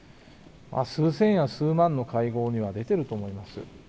数千や数万の会合には出てると思います。